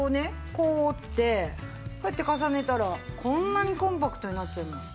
こう折ってこうやって重ねたらこんなにコンパクトになっちゃいます。